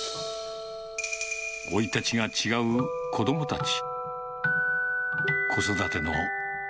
生い立ちが違う子どもたち。